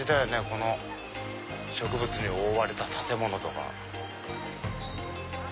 この植物に覆われた建物とか。